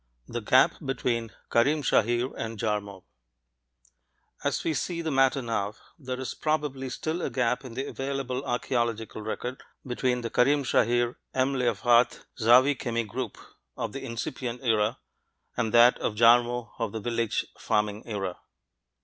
THE GAP BETWEEN KARIM SHAHIR AND JARMO As we see the matter now, there is probably still a gap in the available archeological record between the Karim Shahir M'lefaat Zawi Chemi group (of the incipient era) and that of Jarmo (of the village farming era).